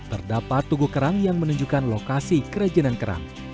terdapat tugu kerang yang menunjukkan lokasi kerajinan kerang